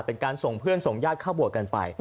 เป็นการส่งเพื่อนส่งญาติเข้าบวชกันไป